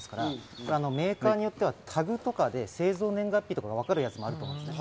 メーカーによってはタグとかで、製造年月日とか分かるやつもありますね。